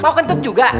mau ketut juga